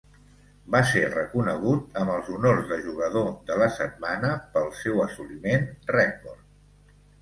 Va ser reconegut amb els honors de Jugador de la Setmana pel seu assoliment rècord.